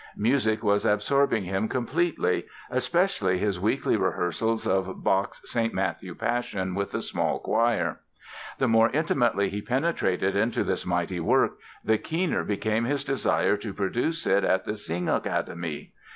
Music was absorbing him completely, especially his weekly rehearsals of Bach's "St. Matthew Passion" with a small choir. The more intimately he penetrated into this mighty work the keener became his desire to produce it at the Singakademie.